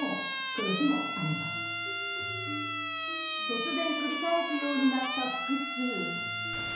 突然繰り返すようになった腹痛。